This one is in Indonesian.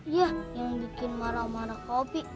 iya yang bikin marah marah kau pi